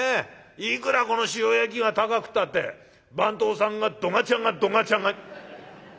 いくらこの塩焼きが高くったって番頭さんがどがちゃがどがちゃが」。